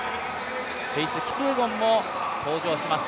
フェイス・キピエゴンも登場します。